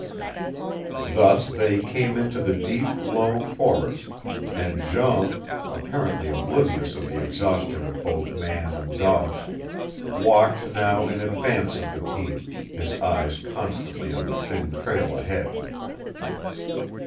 Thus they came into the deep low forest, and Jean, apparently oblivious of the exhaustion of both man and dogs, walked now in advance of the team, his eyes constantly on the thin trail ahead.